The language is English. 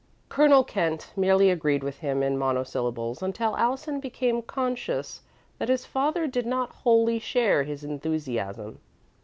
Colonel Kent merely agreed with him in monosyllables until Allison became conscious that his father did not wholly share his enthusiasm.